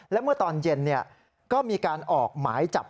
และเมื่อตอนเย็นก็มีการออกหมายจับ